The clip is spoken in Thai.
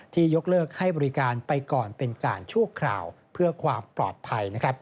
ยกเลิกให้บริการไปก่อนเป็นการชั่วคราวเพื่อความปลอดภัย